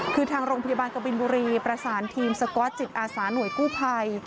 คือทางโรงพยาบาลกบินบุรีประสานทีมสก๊อตจิตอาสาหน่วยกู้ภัย